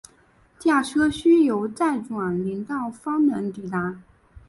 驾车需由再转林道方能抵达。